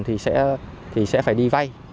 thì sẽ phải đi vay